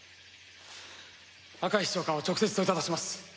赤石長官を直接問いただします。